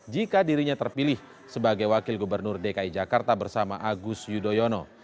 jika dirinya terpilih sebagai wakil gubernur dki jakarta bersama agus yudhoyono